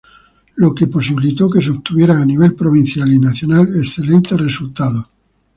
Lo que posibilitó que se obtuvieran a nivel provincial y nacional excelentes resultados.